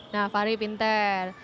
nah fahri pinter